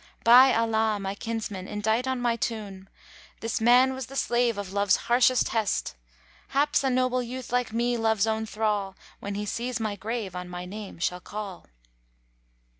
By Allah, my kinsmen, indite on my tomb * 'This man was the slave of Love's harshest hest!' Haps a noble youth, like me Love's own thrall, * When he sees my grave on my name shall call."